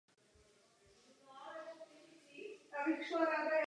Ostatní arabská zástavba byla zbořena.